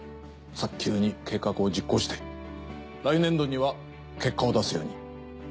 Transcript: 早急に計画を実行して来年度には結果を出すように。